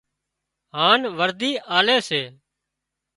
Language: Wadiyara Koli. هانَ ورڌِي آلي سي